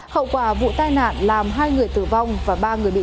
hậu quả vụ tai nạn làm hai người tử vong và ba người bị thương